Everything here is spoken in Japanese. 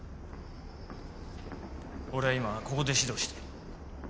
俺は今ここで指導をしてる。